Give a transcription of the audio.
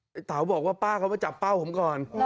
อ๋อพี่สาวบอกว่าป้าเขามาจับเป้าผมก่อน